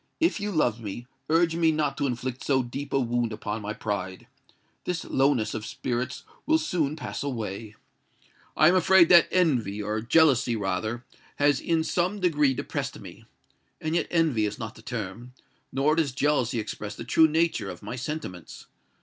If you love me, urge me not to inflict so deep a wound upon my pride. This lowness of spirits will soon pass away: I am afraid that envy—or jealousy, rather—has in some degree depressed me. And yet envy is not the term—nor does jealousy express the true nature, of my sentiments.